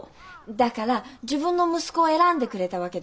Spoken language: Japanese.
だから自分の息子を選んでくれたわけでしょ。